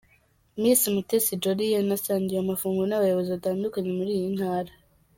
Miss Mutesi Jolly yanasangiye amafunguro n'abayobozi batandukanye muri iyi Ntara.